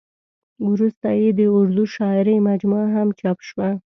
ورسته یې د اردو شاعرۍ مجموعه هم چاپ شوه.